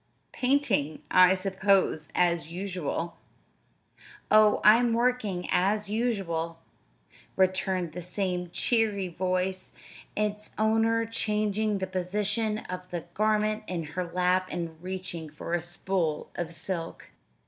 "Painting, I suppose, as usual." "Oh, I'm working, as usual," returned the same cheery voice, its owner changing the position of the garment in her lap and reaching for a spool of silk.